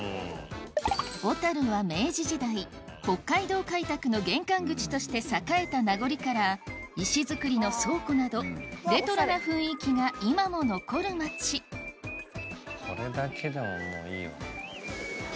小樽は明治時代北海道開拓の玄関口として栄えた名残から石造りの倉庫などレトロな雰囲気が今も残る町これだけでももういいよ。